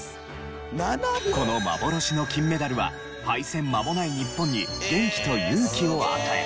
この幻の金メダルは敗戦まもない日本に元気と勇気を与え